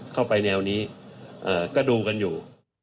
เข้าไปแนวนี้ก็ดูกันอยู่